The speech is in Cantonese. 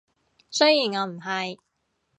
雖然我唔係